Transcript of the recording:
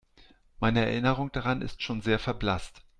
Meine Erinnerung daran ist schon sehr verblasst.